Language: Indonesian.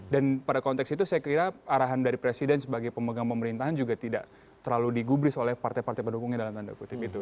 dan pada konteks itu saya kira arahan dari presiden sebagai pemegang pemerintahan juga tidak terlalu digubris oleh partai partai pendukungnya dalam tanda kutip itu